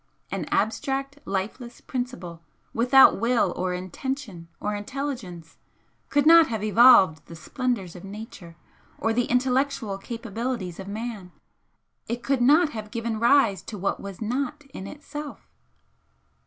An abstract, lifeless principle without will or intention or intelligence could not have evolved the splendours of Nature or the intellectual capabilities of man it could not have given rise to what was not in itself."